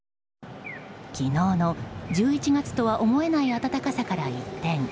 昨日の１１月とは思えない暖かさから一転